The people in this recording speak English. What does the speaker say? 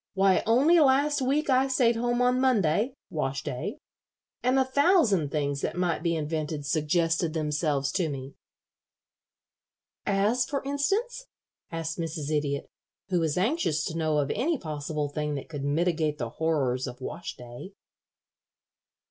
Why, only last week I stayed home on Monday wash day and a thousand things that might be invented suggested themselves to me." "As, for instance?" asked Mrs. Idiot, who was anxious to know of any possible thing that could mitigate the horrors of wash day.